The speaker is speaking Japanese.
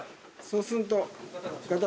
そうすると。